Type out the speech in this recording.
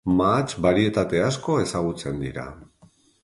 Mahats barietate asko ezagutzen dira.